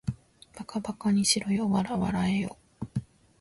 馬鹿ばかにしろよ、笑わらえよ